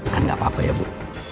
kan nggak apa apa ya bu